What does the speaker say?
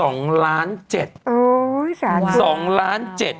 โอ้ยสาธารณะครับว้าว๒ล้าน๗